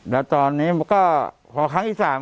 และตอนนี้ก็พอครั้งอีกสาม